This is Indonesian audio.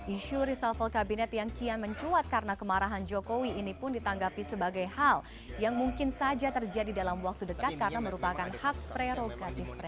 isu reshuffle kabinet yang kian mencuat karena kemarahan jokowi ini pun ditanggapi sebagai hal yang mungkin saja terjadi dalam waktu dekat karena merupakan hak prerogatif presiden